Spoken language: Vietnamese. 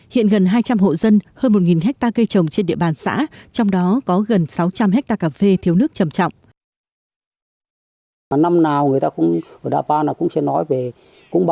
hiện gần hai trăm linh hộ dân hơn một hectare cây trồng trên địa bàn xã trong đó có gần sáu trăm linh hectare cà phê thiếu nước trầm trọng